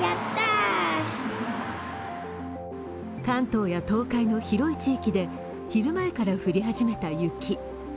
関東や東海の広い地域で昼前から降り始めた雪。